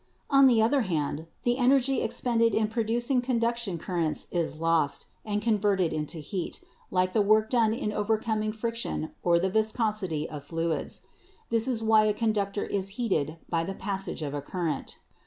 "On the other hand, the energy expended in producing conduction currents is lost, and converted into heat, like the work done in overcoming friction or the viscosity of NATURE AND FORCE 149 fluids. This is why a conductor is heated by the passage of a current.